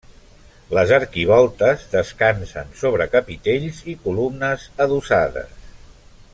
Les arquivoltes descansen sobre capitells i columnes adossades.